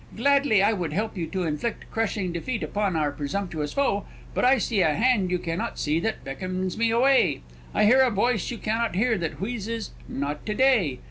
Gladly I would help you to inflict crushing defeat upon our presumptuous foe, but 'I see a hand you cannot see that beckons me away; I hear a voice you cannot hear that wheezes "Not to day!"'